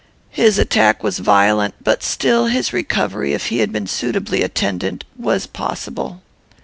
His attack was violent; but, still, his recovery, if he had been suitably attended, was possible.